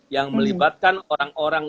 yang melibatkan orang orang